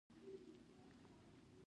راکټ بېپای ته رسېدلای شي